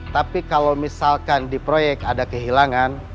tapi kalau misalkan di proyek ada kehilangan